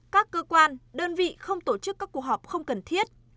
các cơ quan đơn vị không tổ chức các cuộc họp không cần thiết